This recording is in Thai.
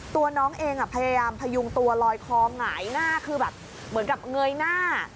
ตัวน้องเองพยายามพยุงตัวลอยคอหงายหน้าคือแบบเหมือนกับเงยหน้า